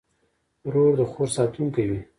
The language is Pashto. ورور د خور ساتونکی وي.